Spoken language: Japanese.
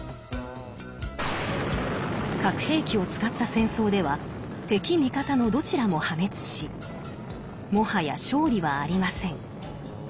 核兵器を使った戦争では敵味方のどちらも破滅しもはや勝利はありません。